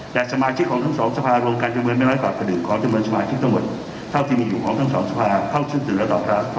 และสมาชิกทั้งสองสภารงการจำนวน